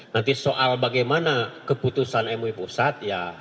nanti soal bagaimana keputusan mui pusat ya